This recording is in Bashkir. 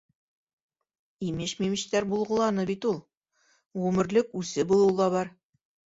Имеш-мимештәр булғыланы бит ул. Ғүмерлек үсе булыуы ла бар.